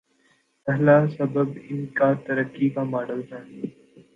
پہلا سبب ان کا ترقی کاماڈل ہے۔